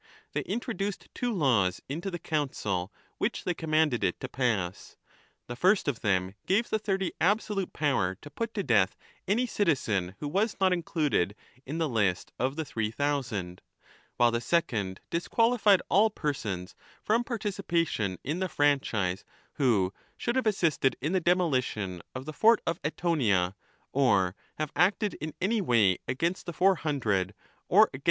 They introduced two laws into the Council, which they commanded it to pass ; the first of them gave the Thirty absolute power to put to death any citizen who was not included in the list of the Three Thousand, while the second disqualified all persons from participation in the franchise who should have assisted in the demolition of the fort of Eetioncia, 2 or have acted in any way against the Four Hundred who had organized the previous oligarchy.